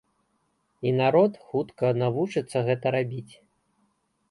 І народ хутка навучыцца гэта рабіць.